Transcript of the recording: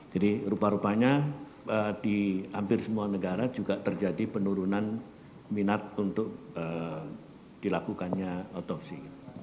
jadi rupa rupanya di hampir semua negara juga terjadi penurunan minat untuk dilakukannya otopsi